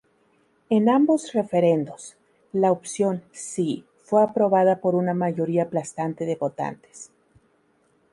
En ambos referendos, la opción "Si" fue aprobada por una mayoría aplastante de votantes.